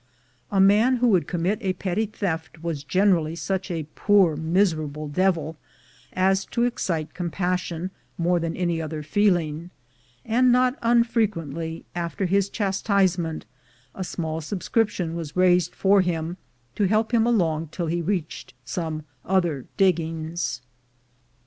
A man who would commit a petty theft was generally such a poor miserable devil as to excite compassion more than any other feeling, and not unfrequently, after his chastisement, a small subscription was raised for him, to help him along till he reached some other diggings.